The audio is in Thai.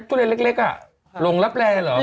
ทุเรียนเล็กลงรับแร่เหรอ